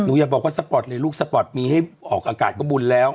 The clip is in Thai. อย่าบอกว่าสปอร์ตเลยลูกสปอร์ตมีให้ออกอากาศก็บุญแล้ว